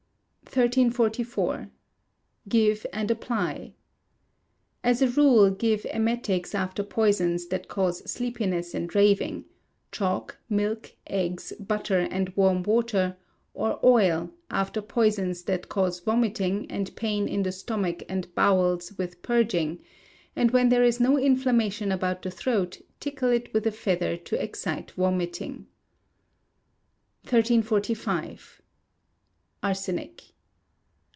1344. Give and Apply. As a rule give emetics after poisons that cause sleepiness and raving; chalk, milk, eggs, butter, and warm water, or oil, after poisons that cause vomiting and pain in the stomach and bowels, with purging; and when there is no inflammation about the throat, tickle it with a feather to excite vomiting. 1345. Arsenic.